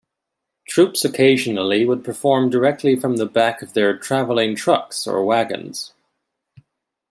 Troupes occasionally would perform directly from the back of their traveling trucks or wagons.